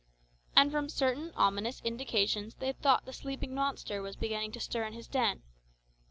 And from certain ominous indications they thought the sleeping monster was beginning to stir in his den.